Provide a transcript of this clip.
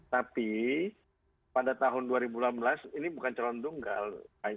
tapi pada tahun dua ribu enam belas ini bukan calon tunggal